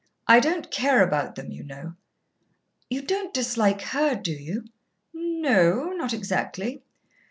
"I don't care about them, you know." "You don't dislike her, do you?" "No o, not exactly."